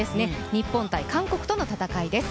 日本対韓国との戦いです。